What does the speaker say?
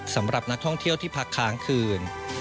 สำหรับนักท่องเที่ยวที่พักค้างคืน